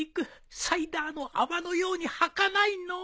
サイダーの泡のようにはかないのう。